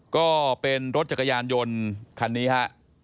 ก็เป็นรถจักรยานยนต์คันนี้ฮะ